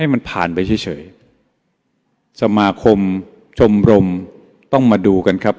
สมาคมชมบรมต้องมาดูกันครับ